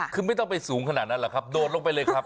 คือไม่ต้องไปสูงขนาดนั้นหรอกครับโดดลงไปเลยครับ